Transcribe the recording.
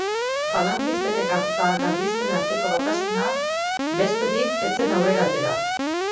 Falangisten eta karlisten arteko batasuna, bestetik, ez zen aurrera atera.